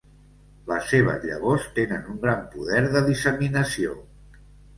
Les seves llavors tenen un gran poder de disseminació.